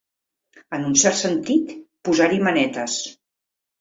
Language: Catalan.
En un cert sentit, posar-hi manetes.